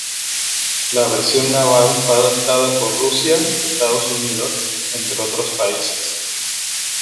La versión naval fue adoptada por Rusia y Estados Unidos, entre otros países.